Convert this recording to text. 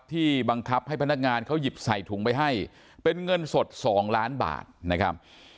บังคับให้พนักงานเขาหยิบใส่ถุงไปให้เป็นเงินสด๒ล้านบาทนะครับ